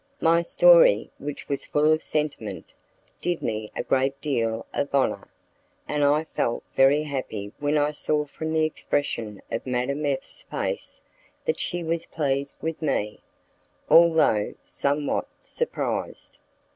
My story, which was full of sentiment, did me a great deal of honour, and I felt very happy when I saw from the expression of Madame F 's face that she was pleased with me, although somewhat surprised.